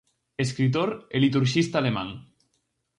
Escritor e liturxista alemán.